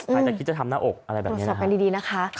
ใครจะคิดจะทำหน้าอกตรวจสอบกันดีนะคะ